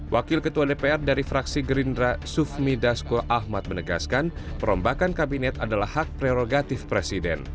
wakil ketua dpr dari fraksi gerindra sufmi dasko ahmad menegaskan perombakan kabinet adalah hak prerogatif presiden